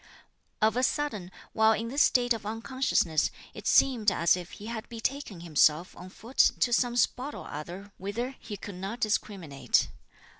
Of a sudden, while in this state of unconsciousness, it seemed as if he had betaken himself on foot to some spot or other whither he could not discriminate.